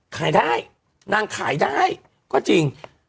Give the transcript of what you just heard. ขายได้นางขายได้ก็จริง